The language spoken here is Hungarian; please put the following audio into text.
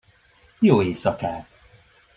Jó éjszakát!